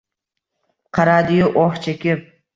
Qaradi-yu oh chekib —